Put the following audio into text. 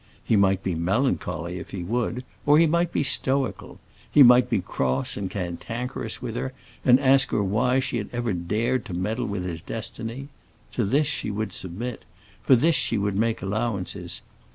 He might be melancholy if he would, or he might be stoical; he might be cross and cantankerous with her and ask her why she had ever dared to meddle with his destiny: to this she would submit; for this she would make allowances.